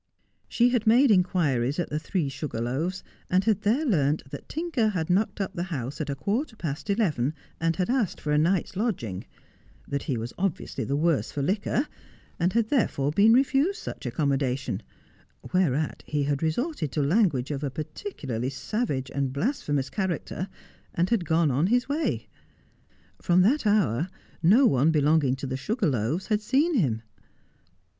She had made inquiries at the 'Three Sugar Loaves,' and had there learnt that Tinker had knocked up the house at a quarter past eleven, and had asked for a night's lodging ; that he was obviously the worse for liquor, and had therefore been refused such accommodation, whereat he had resorted to language of a particularly savage and blasphemous character, and had gone his way. From that hour no one belonging to the 'Sugar Loaves' had seen him.